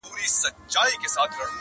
زه چي پر مخ زلفي لرم بل به یارکړمه!٫.